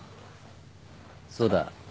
そうだ。